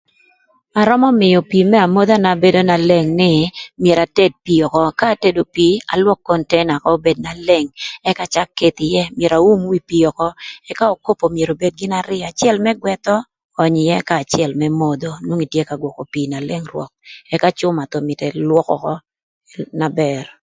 Arömö mïö pii më amodhana bedo na leng nï myero ated pii ökö ka atedo pii alwök konteina ökö obed na leng ëk acak ketho ïë myero aum wi ökö ëka okopo myero obed gïn arïö acël më gwëthö önyö ïë ëka acël më modho nwongo itye ka gwökö pii na leng rwök ëka cüma thon mïtö ëlwökö ökö na bër.